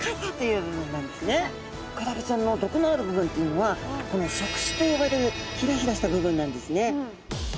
クラゲちゃんの毒のある部分というのはこの触手と呼ばれるヒラヒラした部分なんですね。